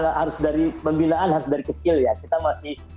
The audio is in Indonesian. harus dari pembinaan harus dari kecil ya